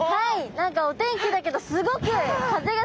何かお天気だけどすごく風が強いですね。